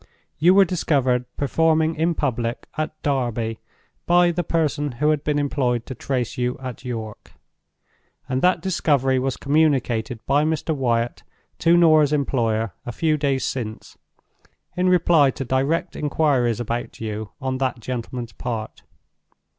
You were discovered performing in public at Derby by the person who had been employed to trace you at York; and that discovery was communicated by Mr. Wyatt to Norah's employer a few days since, in reply to direct inquiries about you on that gentleman's part.